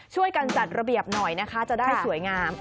ช่วยกันจัดระเบียบหน่อยนะคะจะได้สวยงาม